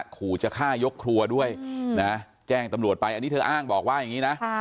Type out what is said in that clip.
ขู่จะฆ่ายกครัวด้วยนะแจ้งตำรวจไปอันนี้เธออ้างบอกว่าอย่างนี้นะ